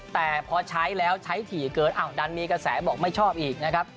แต่พอใช้แล้วใช้ถี่เกินอ้าวดันมีกระแสบอกไม่ชอบอีกนะครับ